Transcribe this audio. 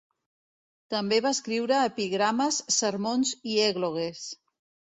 També va escriure epigrames, sermons i èglogues.